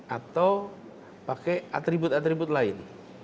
atau pakai atribut atribut lain